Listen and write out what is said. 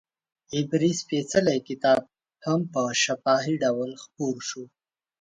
عبري سپېڅلی کتاب هم په شفاهي ډول خپور شو.